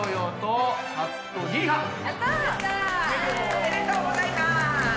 おめでとうございます。